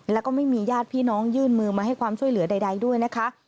แล้วก็ไม่มีญาติพี่น้องยื่นมือมาให้ความช่วยเหลือใดด้วยนะคะ